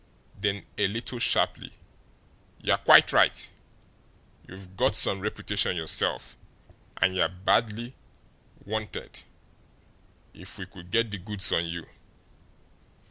Then, a little sharply: "You're quite right; you've got some reputation yourself, and you're badly 'wanted' if we could get the 'goods' on you.